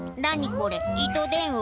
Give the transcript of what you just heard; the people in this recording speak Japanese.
これ糸電話？」